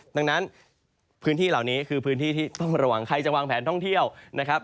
ดังนั้นพื้นที่เหล่านี้คือพื้นที่ที่ต้องระวังใครจะวางแผนท่องเที่ยวนะครับ